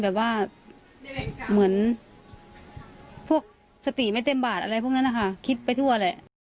แบบว่าเหมือนพวกสติไม่เต็มบาดอะไรพวกนั้นนะคะคิดไปทั่วแหละ